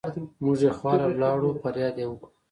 مونږ يې خواله لاړو فرياد يې وکړو